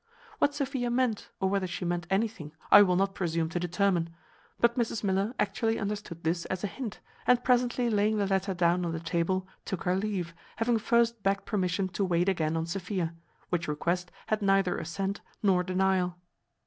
What Sophia meant, or whether she meant anything, I will not presume to determine; but Mrs Miller actually understood this as a hint, and presently laying the letter down on the table, took her leave, having first begged permission to wait again on Sophia; which request had neither assent nor denial.